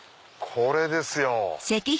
これですよ。